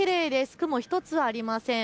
雲一つありません。